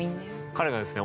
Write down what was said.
彼がですね